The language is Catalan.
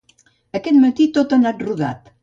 Aquest matí, tot ha anat rodat.